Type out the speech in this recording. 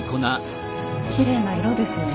きれいな色ですよね。